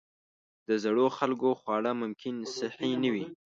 د زړو خلکو خواړه ممکن صحي نه وي.